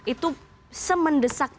itu se mendesak itu